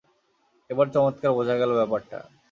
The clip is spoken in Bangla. এবার চমৎকার বোঝা গেল ব্যাপারটা।